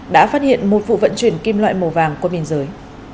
đã phát hiện một vụ vận chuyển kim loại màu vàng qua biên giới